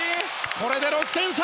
これで６点差！